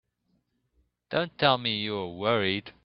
Don't tell me you were worried!